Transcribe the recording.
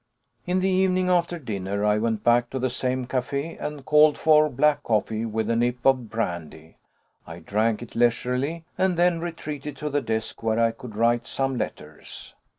In the evening, after dinner, I went back to the same café and called for black coffee with a nip of brandy. I drank it leisurely, and then retreated to the desk where I could write some letters.